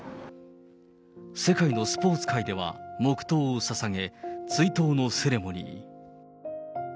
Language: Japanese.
世界のスポーツ界では黙とうをささげ、追悼のセレモニー。